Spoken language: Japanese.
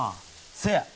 せや！